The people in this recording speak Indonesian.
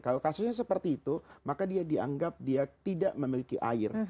kalau kasusnya seperti itu maka dia dianggap dia tidak memiliki air